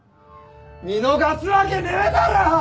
見逃すわけねえだろ！